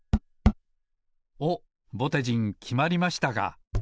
おっぼてじんきまりましたか。